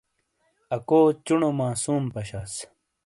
اکو چُنومعصوم پشاس۔